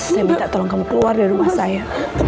saya minta tolong kamu keluar dari rumah saya